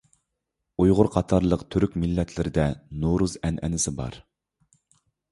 ئۇيغۇر قاتارلىق تۈرك مىللەتلىرىدە نورۇز ئەنئەنىسى بار.